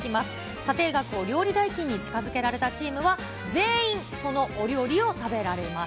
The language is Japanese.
査定額を料理代金に近づけられたチームは、全員そのお料理を食べられます。